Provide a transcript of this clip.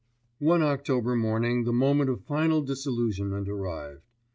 One October morning the moment of final dis illusionment arrived.